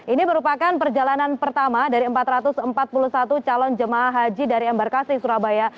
ini merupakan perjalanan pertama dari empat ratus empat puluh satu calon jemaah haji dari embarkasi surabaya